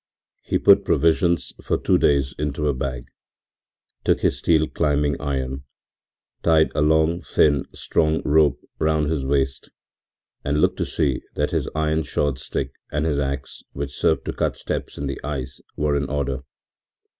He put provisions for two days into a bag, took his steel climbing iron, tied a long, thin, strong rope round his waist, and looked to see that his iron shod stick and his axe, which served to cut steps in the ice, were in order.